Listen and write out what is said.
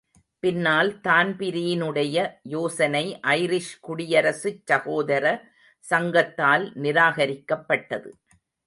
பின்னால் தான்பிரீனுடைய யோசனை ஐரிஷ் குடியரசுச் சகோதர சங்கத்தால் நிராகரிக்கபட்டது.